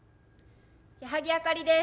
矢作あかりです。